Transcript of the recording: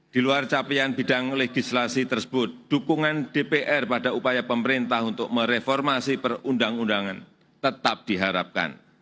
di luar capaian bidang legislasi tersebut dukungan dpr pada upaya pemerintah untuk mereformasi perundang undangan tetap diharapkan